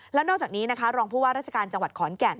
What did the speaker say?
แล้วนอกจากนี้นะคะรองผู้ว่าราชการจังหวัดขอนแก่น